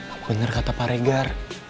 aku dengar kata pak regar